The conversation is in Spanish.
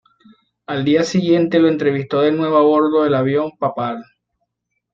Al día siguiente lo entrevistó de nuevo a bordo del avión Papal.